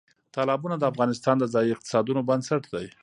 تالابونه د افغانستان د ځایي اقتصادونو بنسټ دی.